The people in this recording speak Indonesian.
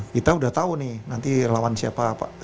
kita udah tau nih nanti lawan siapa yang akan turun